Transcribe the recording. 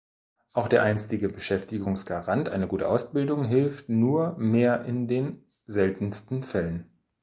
Auch der einstige Beschäftigungsgarant, eine gute Ausbildung, hilft nur mehr in den seltensten Fällen.